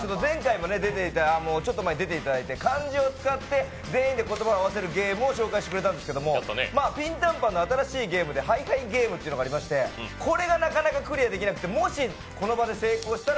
ちょっと前も出てもらって漢字を使って全員で言葉を合わせるゲームを紹介してくれたんですけどピンタンパンの新しいゲームで「ハイハイゲーム！！」っていうのがありましてこれがなかなかクリアできなくてもしこの場で成功したら